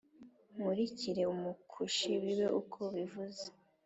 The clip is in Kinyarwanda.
nkurikire Umukushi bibe uko abivuze